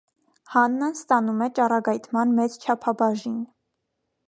Հաննան ստանում է ճառագայթման մեծ չափաբաժին։